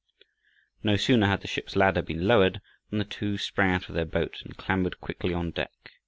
(*) No sooner had the ship's ladder been lowered, than the two sprang out of their boat and clambered quickly on deck.